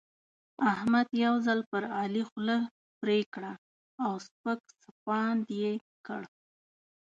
احمد یو ځل پر علي خوله پرې کړه او سپک سپاند يې کړ.